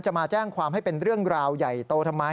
มาแจ้งความให้เป็นเรื่องราวใหญ่โตทำไม